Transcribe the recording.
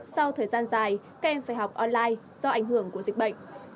sau thời gian dài các em phải học online do ảnh hưởng của dịch bệnh